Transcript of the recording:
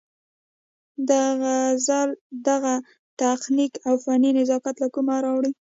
د غزل دغه تکنيک او فني نزاکت له کومه راوړو-